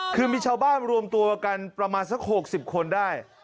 คือมีชาวบ้านรวมตัวกันประมาณสัก๖๐คนได้